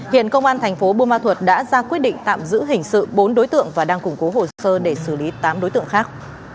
hiện công an thành phố bô ma thuật đã ra quyết định tạm giữ hình sự bốn đối tượng và đang củng cố hồ sơ để xử lý tám đối tượng khác